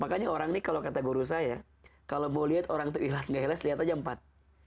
makanya orang ini kalau kata guru saya kalau mau lihat orang itu ikhlas nggak ikhlas lihat aja empat